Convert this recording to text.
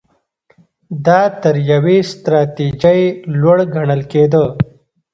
دا تر یوې ستراتیژۍ لوړ ګڼل کېده.